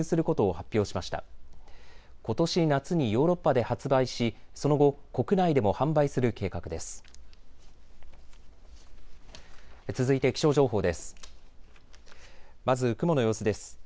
ことし夏にヨーロッパで発売し、その後、国内でも販売する計画です。